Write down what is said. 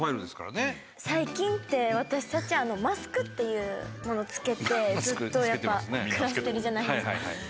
最近って、私、マスクっていうものをつけて暮らしてるじゃないですか。